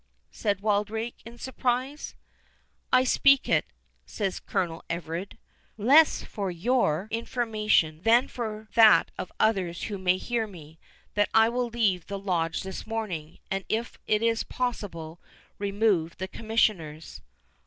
said Wildrake, in surprise. "I speak it," said Colonel Everard, "less for your information, than for that of others who may hear me, that I will leave the Lodge this morning, and, if it is possible, remove the Commissioners."